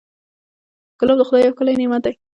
ګلاب د خدای یو ښکلی نعمت دی.